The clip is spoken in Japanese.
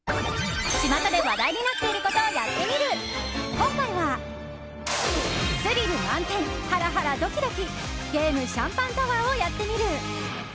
今回は、スリル満点ハラハラドキドキゲーム・シャンパンタワーをやってみる。